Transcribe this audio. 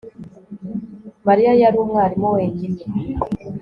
Mariya yari umwarimu wenyine